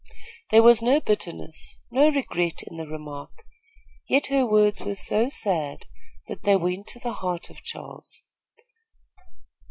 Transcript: There was no bitterness, no regret in the remark; yet her words were so sad, that they went to the heart of Charles.